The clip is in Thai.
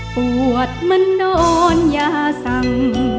ปวดมันโดนยาสั่ง